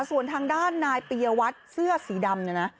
ส่วนทางด้านนายปียวัตรเสื้อสีดำเนี่ยนะ